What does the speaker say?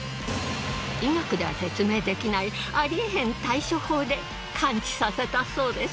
医学では説明できないありえへん対処法で完治させたそうです。